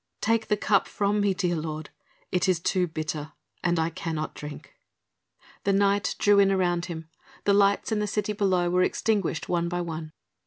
Take the cup from me, dear Lord! It is too bitter and I cannot drink!" The night drew in around him; the lights in the city below were extinguished one by one.